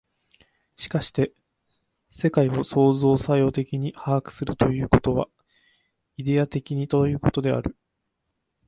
しかして世界を創造作用的に把握するということは、イデヤ的にということである。